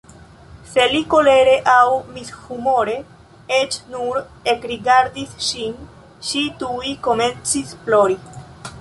Se li kolere aŭ mishumore eĉ nur ekrigardis ŝin, ŝi tuj komencis plori.